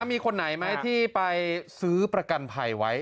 มีคนไหนไหมที่ไปซื้อประกันภัยไว้